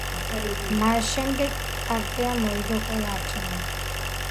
მას შემდეგ პარტიამ მოიგო ყველა არჩევნები.